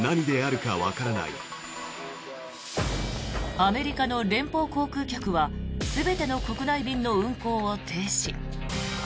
アメリカの連邦航空局は全ての国内便の運航を停止。